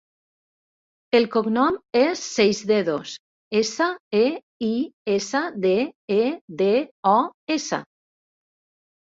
El cognom és Seisdedos: essa, e, i, essa, de, e, de, o, essa.